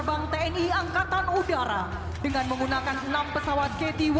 bersama aris gator